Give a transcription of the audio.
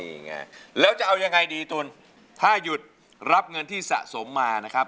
นี่ไงแล้วจะเอายังไงดีตุ๋นถ้าหยุดรับเงินที่สะสมมานะครับ